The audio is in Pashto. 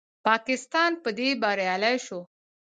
پاکستان په دې بریالی شو